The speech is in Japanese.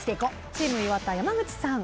チーム岩田山口さん。